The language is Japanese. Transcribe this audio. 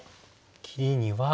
切りには。